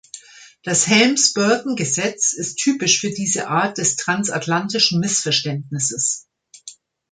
Das Helms-Burton-Gesetz ist typisch für diese Art des transatlantischen Missverständnisses.